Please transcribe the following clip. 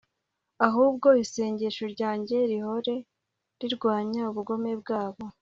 ahubwo isengesho ryanjye rihore rirwanya ubugome bwabo